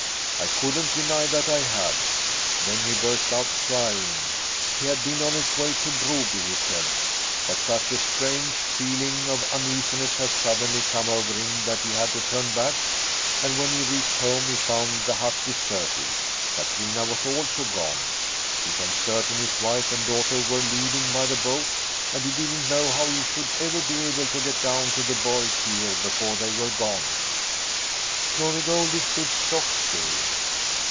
I couldn't deny that I had. Then he burst out crying. He had been on his way to Broby, he said, but such a strange feeling of uneasiness had suddenly come over him that he had to turn back, and when he reached home he found the hut deserted. Katrina was also gone. He felt certain his wife and daughter were leaving by the boat and he didn't know how he should ever be able to get down to the Borg pier before they were gone." Glory Goldie stood stock still.